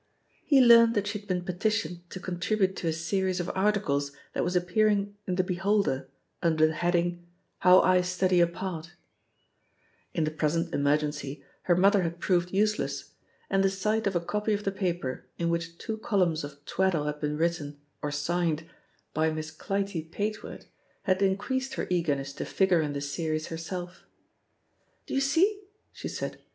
*' He learnt that she had been petitioned to con* tribute to a series of articles that was appearing in The Beholder, imder the heading, ''How I Study a Part" In the present emergency her mother had proved useless, and the sight of a 286 THE POSITION OF PEGGY HARPER copy of the paper in which two columns of twad dle had been written, or signed, by Miss Clytie Fateward had increased her eagerness to figure in the series herself. *T)o you see ?" she said.